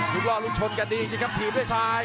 หลุดรอลูกชนกันดีจริงครับทีมด้วยสาย